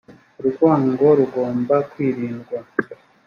urwango rugomba kwirindwa.